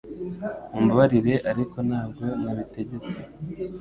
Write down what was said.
Mumbabarire ariko ntabwo nabitegetse